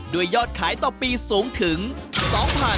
ด้วยยอดขายต่อปีสูงถึง๒๗๐๐ล้านบาท